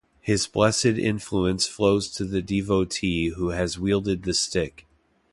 His blessed influence flows to the devotee who has wielded the stick.